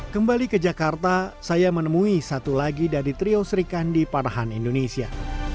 kembali ke jakarta saya menemui satu lagi dari trio serikan di parahan indonesia